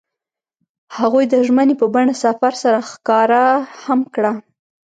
هغوی د ژمنې په بڼه سفر سره ښکاره هم کړه.